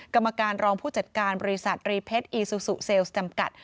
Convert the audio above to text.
กรรมการรองผู้จัดการบริษัทรีเพชรอีซูซูเซลล์จำกัด